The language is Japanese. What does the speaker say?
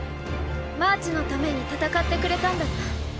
マーチのために戦ってくれたんだな。